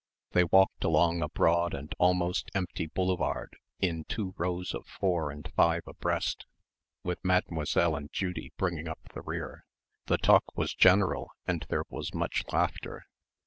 They walked along a broad and almost empty boulevard in two rows of four and five abreast, with Mademoiselle and Judy bringing up the rear. The talk was general and there was much laughter.